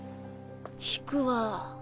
引くわ。